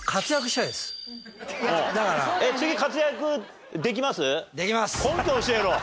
次活躍できます？